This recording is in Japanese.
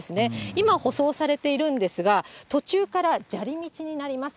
今、舗装されているんですが、途中から砂利道になります。